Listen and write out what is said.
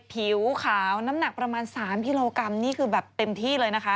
ผิวขาวน้ำหนักประมาณ๓กิโลกรัมนี่คือแบบเต็มที่เลยนะคะ